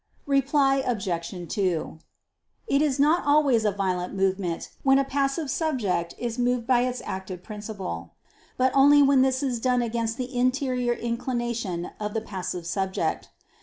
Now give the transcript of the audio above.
Reply Obj. 2: It is not always a violent movement, when a passive subject is moved by its active principle; but only when this is done against the interior inclination of the passive subject.